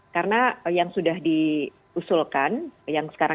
karena yang sudah diusulkan yang sekarang ini sedang digunakan